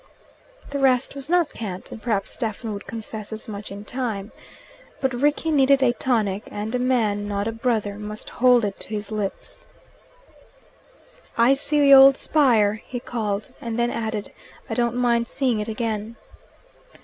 The rest was not cant, and perhaps Stephen would confess as much in time. But Rickie needed a tonic, and a man, not a brother, must hold it to his lips. "I see the old spire," he called, and then added, "I don't mind seeing it again."